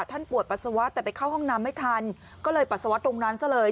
ปวดปัสสาวะแต่ไปเข้าห้องน้ำไม่ทันก็เลยปัสสาวะตรงนั้นซะเลย